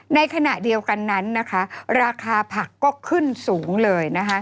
ในขณะเดียวกันนั้นนะคะราคาผักก็ขึ้นสูงเลยนะคะ